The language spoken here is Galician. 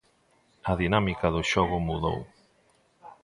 A dinámica do xogo mudou.